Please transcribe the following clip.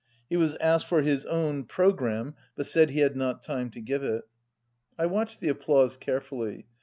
He was asked for his own pro 201 gramme, but said he had not time to give it. I watched the applause carefully.